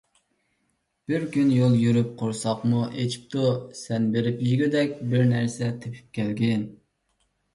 بىر كۈن يول يۈرۈپ قورساقمۇ ئېچىپتۇ. سەن بېرىپ يېگۈدەك بىرنەرسە تېپىپ كەلگىن.